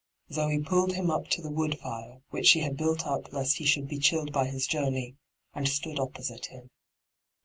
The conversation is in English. Zoe pulled him up to the wood fire, which she had built up lest he should be chilled by his journey, and stood opposite him.